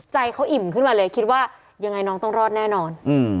ใจเขาอิ่มขึ้นมาเลยคิดว่ายังไงน้องต้องรอดแน่นอน